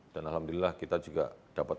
dan alhamdulillah kita juga dapat